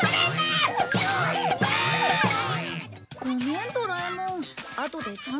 ごめんドラえもん。